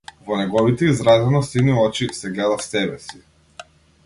Во неговите изразено сини очи се гледав себеси.